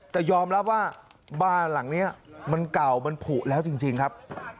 แต่ยอมรับว่าบ้านหลังนี้มันเก่ามันผูแล้วจริงครับ